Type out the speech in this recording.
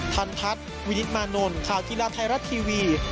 ทันทัศน์วินิตมานนท์ข่าวกีฬาไทยรัฐทีวี